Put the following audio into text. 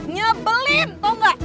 nyebelin tau gak